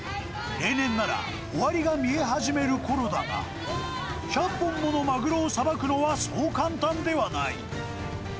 例年なら終わりが見え始めるころだが、１００本ものマグロをさばくのは、そう簡単ではない。